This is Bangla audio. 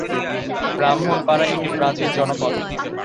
ব্রাহ্মণপাড়া একটি প্রাচীন জনপদ।